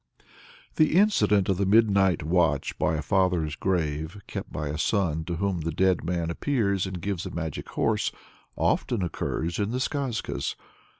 The incident of the midnight watch by a father's grave, kept by a son to whom the dead man appears and gives a magic horse, often occurs in the Skazkas.